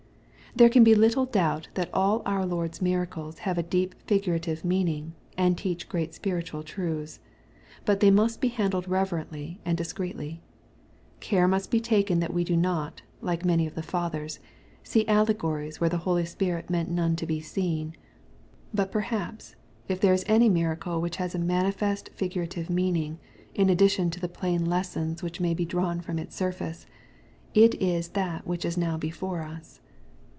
There can be little doubt that all our Lord's miracles have a deep figurative meaning, and teach great spiritual truths. But they must be handled reverently and dis creetly. Care must be taken that we do not, like many of the Fathers, see allegories where the Holy Spirit meant none to be seen. But perhaps, if there is any miracle which has a manifest figurative meaning, in addition to the plain lessons which may be drawn from its surface, it is that which is now before us.